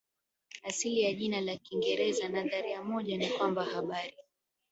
Asili ya jina la Kiingereza Nadharia moja ni kwamba habari